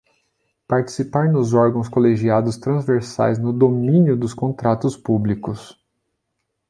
Participar nos órgãos colegiados transversais no domínio dos contratos públicos.